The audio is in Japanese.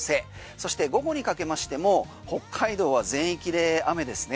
そして午後にかけましても北海道は全域で雨ですね。